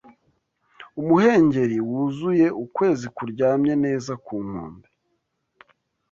Umuhengeri wuzuye, ukwezi kuryamye neza ku nkombe."